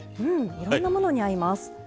いろんなものに合います。